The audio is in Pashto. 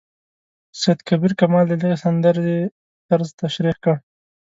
سید کبیر کمال د دغې سندرې طرز تشریح کړ.